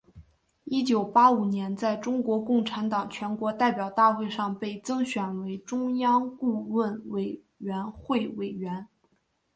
一九八五年在中国共产党全国代表大会上被增选为中央顾问委员会委员。